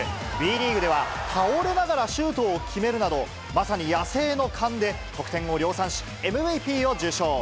Ｂリーグでは倒れながらシュートを決めるなど、まさに野生の勘で、得点を量産し、ＭＶＰを受賞。